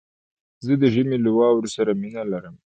زه د ژمي له واورو سره مينه لرم